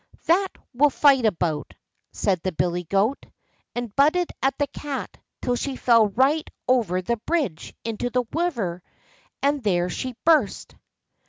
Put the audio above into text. "That we'll fight about," said the billy goat, and butted at the Cat till she fell right over the bridge into the river, and there she burst.